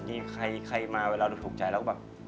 มีใครมาเวลาถูกใจแล้วก็แบบ